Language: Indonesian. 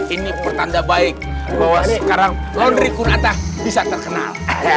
ini pertanda baik bahwa sekarang laundry kunata bisa terkenal